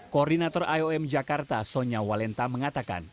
koordinator iom jakarta sonya walenta mengatakan